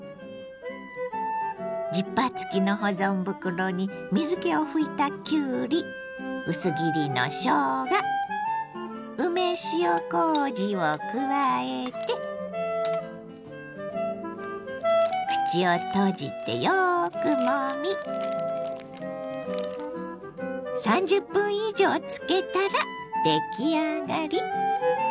ジッパー付きの保存袋に水けを拭いたきゅうり薄切りのしょうが梅塩こうじを加えて口を閉じてよくもみ３０分以上漬けたら出来上がり。